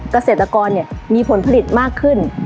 เกษตรกรมีผลผลิตมากขึ้น